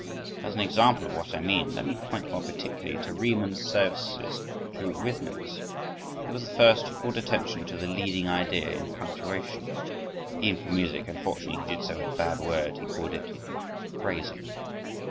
As an example of what I mean, let me point more particularly to Riemann's services to rhythmics; he was the first who called attention to the leading idea in punctuation—even for music (unfortunately he did so with a bad word; he called it "phrasing").